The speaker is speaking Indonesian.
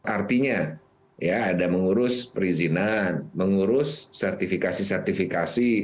artinya ya ada mengurus perizinan mengurus sertifikasi sertifikasi